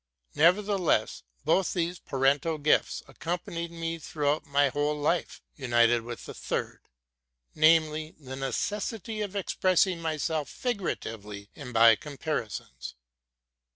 Nevertheless, both these paren tal gifts accompanied me throughout my whole life, united with a third: namely, the necessity of expressing myself figuratively and by comparisons.